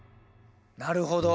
なるほど。